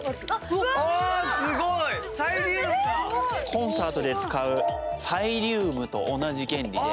コンサートで使うサイリウムと同じ原理で。